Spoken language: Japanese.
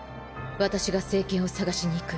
私が聖剣を探しに行く。